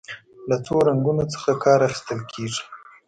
له څو رنګونو څخه کار اخیستل کیږي.